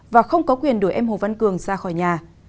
và không có quyền đuổi em hồ văn cường ra khỏi nhà